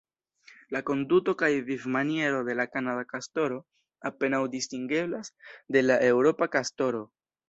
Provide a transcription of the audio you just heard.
La konduto kaj vivmaniero de la kanada kastoro apenaŭ distingeblas de la eŭropa kastoro.